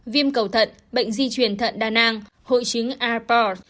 viêm cầu thận bệnh di truyền thận đa nang hội chứng arpar